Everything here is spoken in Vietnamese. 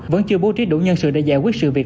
vẫn chưa bố trí đủ nhân sự để giải quyết sự việc